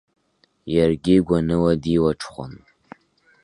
Иаргьы гәаныла дилаҽхәон.